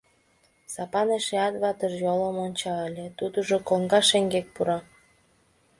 Сапан эшеат ватыж йолым онча ыле, тудыжо коҥга шеҥгек пура.